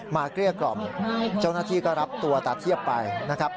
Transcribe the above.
เกลี้ยกล่อมเจ้าหน้าที่ก็รับตัวตาเทียบไปนะครับ